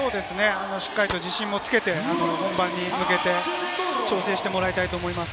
しっかり自信をつけて本番に向けて、調整してもらいたいと思います。